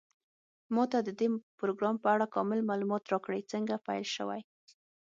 ما ته د دې پروګرام په اړه کامل معلومات راکړئ څنګه پیل شوی